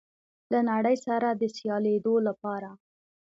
له نړۍ سره د سیالېدو لپاره